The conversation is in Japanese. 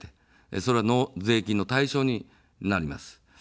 それは税金の対象になります。